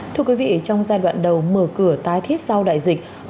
thưa quý vị trong giai đoạn đầu mở cửa tái thiết sau đại dịch